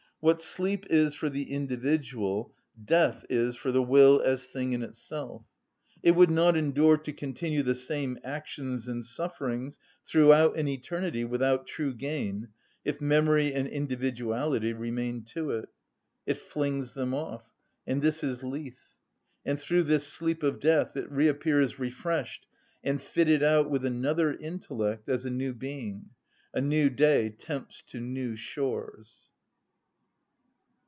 What sleep is for the individual, death is for the will as thing in itself. It would not endure to continue the same actions and sufferings throughout an eternity without true gain, if memory and individuality remained to it. It flings them off, and this is lethe; and through this sleep of death it reappears refreshed and fitted out with another intellect, as a new being—"a new day tempts to new shores."